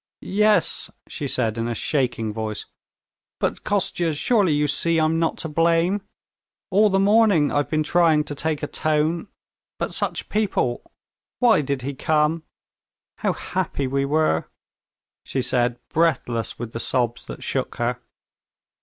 "Yes," she said in a shaking voice; "but, Kostya, surely you see I'm not to blame? All the morning I've been trying to take a tone ... but such people.... Why did he come? How happy we were!" she said, breathless with the sobs that shook her.